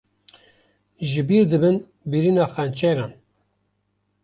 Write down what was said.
Jibîr dibin birîna xençeran